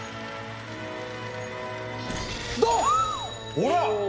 ほら！